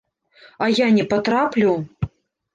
А я не патраплю?